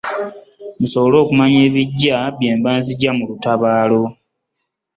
Musobole okumanya ebijja bye mba nzije mu lutabaalo.